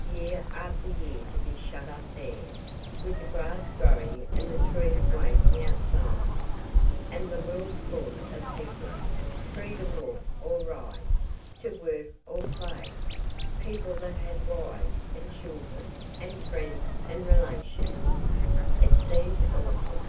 Year after year to be shut up there, with the grass growin' and the trees wavin' outside, and the world full of people, free to walk or ride, to work or play, people that had wives and children, and friends and relations it seemed awful.